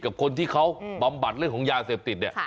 กับคนที่เขาบำบัดเรื่องของยาเสพติดเนี่ย